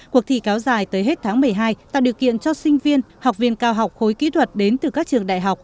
cuộc thi kéo dài tới hết tháng một mươi hai tạo điều kiện cho sinh viên học viên cao học khối kỹ thuật đến từ các trường đại học